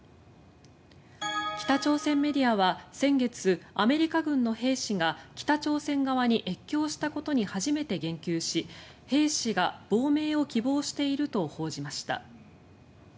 北朝鮮メディアは先月アメリカ軍の兵士が北朝鮮側に越境したことに初めて言及し兵士が亡命を希望していると報じました。